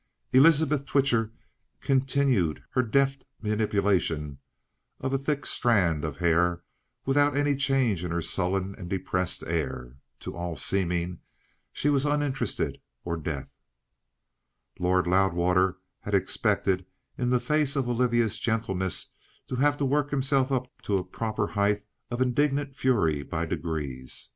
Elizabeth Twitcher continued her deft manipulation of a thick strand of hair without any change in her sullen and depressed air. To all seeming, she was uninterested, or deaf. Lord Loudwater had expected, in the face of Olivia's gentleness, to have to work himself up to a proper height of indignant fury by degrees.